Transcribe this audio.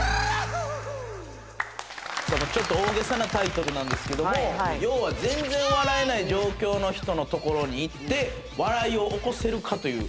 ちょっと大げさなタイトルなんですけども、要は全然笑えない状況の人の所に行って、笑いを起こせるかという。